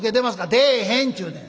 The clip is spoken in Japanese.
「出えへんちゅうねん。